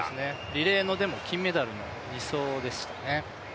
リレーの金メダルの２走でしたね。